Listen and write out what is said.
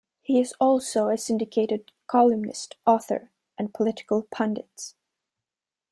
He is also a syndicated columnist, author, and political pundit.